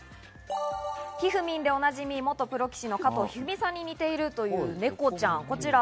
ひふみんでおなじみ元プロ棋士の加藤一二三さんに似ているというネコちゃん、こちら。